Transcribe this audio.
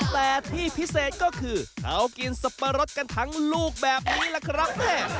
แต่ที่พิเศษก็คือเขากินสับปะรดกันทั้งลูกแบบนี้แหละครับแม่